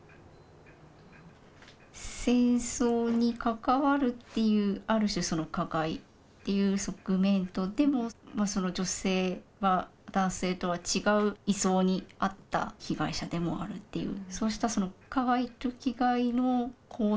戦争に関わるっていうある種その加害っていう側面とでもその女性は男性とは違う位相にあった被害者でもあるっていう。